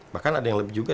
bahkan ada yang lebih juga